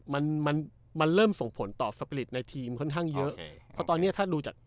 มันมันมันเริ่มส่งผลต่อสปริตในทีมค่อนข้างเยอะใช่เพราะตอนเนี้ยถ้าดูจาก